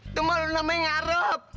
itu mah lu namanya ngarep